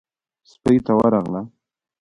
سپۍ ته ورغله.